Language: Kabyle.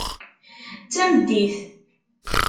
D tameddit.